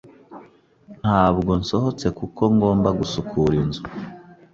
Ntabwo nsohotse kuko ngomba gusukura inzu.